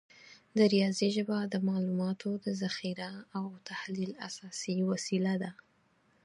د ریاضي ژبه د معلوماتو د ذخیره او تحلیل اساسي وسیله ده.